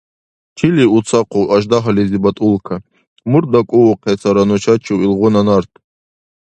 Чили уцахъу аждагьализибад улка? Мурт дакӀуухъесара нушачив илгъуна нарт?